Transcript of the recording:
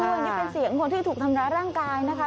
นี่เป็นเสียงคนที่ถูกทำร้ายร่างกายนะคะ